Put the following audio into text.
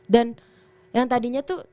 dan yang tadinya tuh